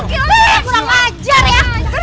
kurang ajar ya